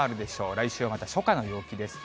来週はまた初夏の陽気です。